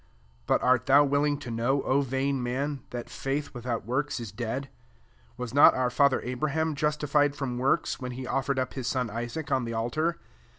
SO But art thou willing to know, O vain man, that faith without works is dead? 21 Was not our &ther Abraham justified from works, when he offered up his son Isaac on the altar?